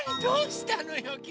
どうしたのよ